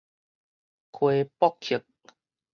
魁北克